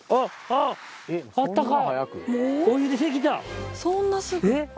あっあったか！